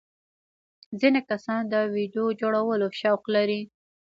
ځینې کسان د ویډیو جوړولو شوق لري.